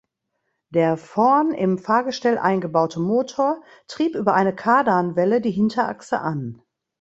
Der vorn im Fahrgestell eingebaute Motor trieb über eine Kardanwelle die Hinterachse an.